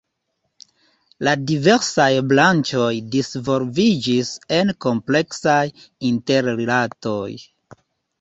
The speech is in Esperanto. La diversaj branĉoj disvolviĝis en kompleksaj interrilatoj.